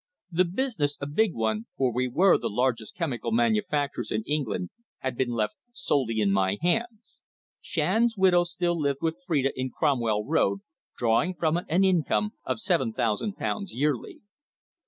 The business a big one, for we were the largest chemical manufacturers in England had been left solely in my hands. Shand's widow still lived with Phrida in Cromwell Road, drawing from it an income of seven thousand pounds yearly.